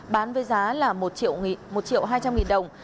bán với giá một triệu hai trăm linh nghìn đồng